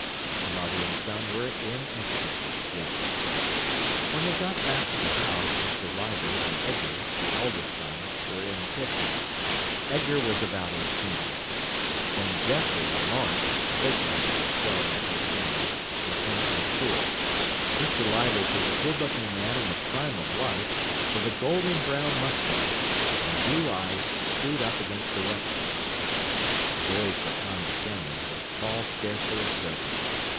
The mother and son were in ecstasy together. When they got back to the house, Mr. Leivers and Edgar, the eldest son, were in the kitchen. Edgar was about eighteen. Then Geoffrey and Maurice, big lads of twelve and thirteen, were in from school. Mr. Leivers was a good looking man in the prime of life, with a golden brown moustache, and blue eyes screwed up against the weather. The boys were condescending, but Paul scarcely observed it.